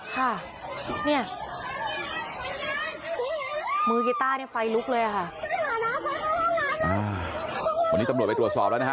ค่ะเนี่ยมือกีต้าเนี่ยไฟลุกเลยอ่ะค่ะอ่าวันนี้ตำรวจไปตรวจสอบแล้วนะฮะ